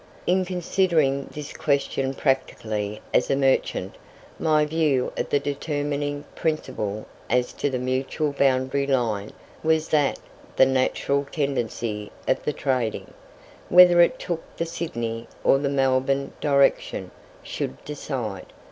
In considering this question practically as a merchant, my view of the determining principle as to the mutual boundary line was that the natural tendency of the trading, whether it took the Sydney or the Melbourne direction, should decide.